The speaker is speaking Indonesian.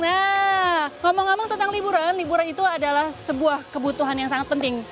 nah ngomong ngomong tentang liburan liburan itu adalah sebuah kebutuhan yang sangat penting